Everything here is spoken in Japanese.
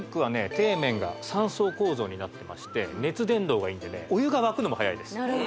底面が三層構造になってまして熱伝導がいいんでねお湯が沸くのもはやいです